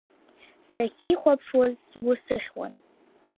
Сахьихәаԥшуаз сгәы сыхьуан.